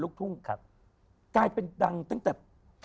ดังกับชุดแรก